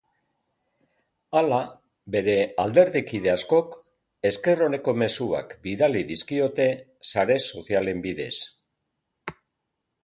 Hala, bere alderdikide askok esker oneko mezuak bidali dizkiote sare sozialen bidez.